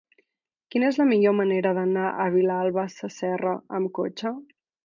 Quina és la millor manera d'anar a Vilalba Sasserra amb cotxe?